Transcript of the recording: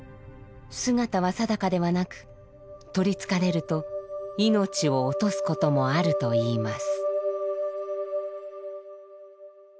姿は定かではなく取りつかれると命を落とすこともあるといいます。